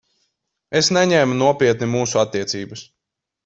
Es neņēmu nopietni mūsu attiecības.